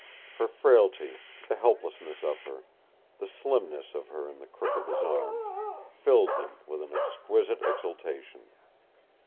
Her frailty, the helplessness of her, the slimness of her in the crook of his arm, filled him with an exquisite exultation.